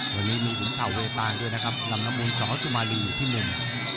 วันนี้มีถึงเต่าเวตางด้วยนะครับลำน้ำมูลสอสุมารีอยู่ที่หนึ่ง